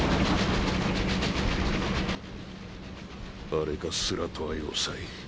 あれがスラトア要塞。